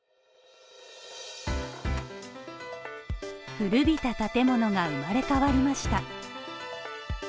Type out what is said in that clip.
古びた建物が生まれ変わりました。